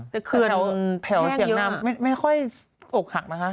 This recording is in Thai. แต่แถวเฉียงน้ำไม่ค่อยอกหักนะคะ